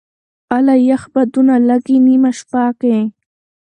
اله یخ بادونه لګې نېمه شپه کي